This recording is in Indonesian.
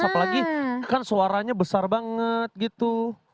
apalagi kan suaranya besar banget gitu